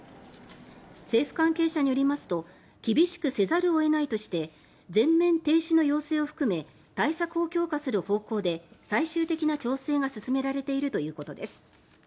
政府関係者によりますと厳しくせざるを得ないとして全面停止の要請を含め対策を強化する方向で最終的な調整が進められているということです。